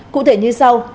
cụ thể như sau